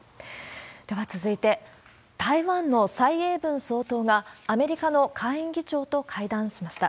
では続いて、台湾の蔡英文総統が、アメリカの下院議長と会談しました。